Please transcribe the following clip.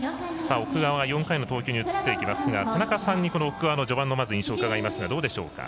奥川、４回の投球に移っていきますが田中さんにこの奥川の印象を伺いますがどうでしょうか。